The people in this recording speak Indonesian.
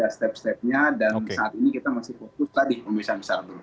ada step stepnya dan saat ini kita masih fokus tadi pembebasan besarat dulu